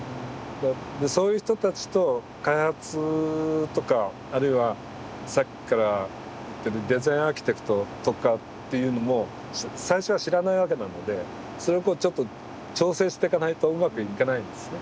そういう人たちと開発とかあるいはさっきから言ってるデザインアーキテクトとかっていうのも最初は知らないわけなのでそれをこうちょっと調整していかないとうまくいかないんですね。